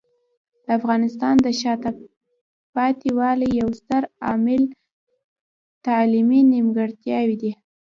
د افغانستان د شاته پاتې والي یو ستر عامل تعلیمي نیمګړتیاوې دي.